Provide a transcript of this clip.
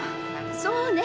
そうね。